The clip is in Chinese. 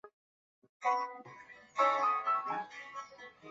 战后德岛市选择保留城下町时期的都市格局进行重建。